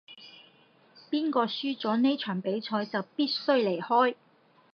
邊個輸咗呢場比賽就必須離開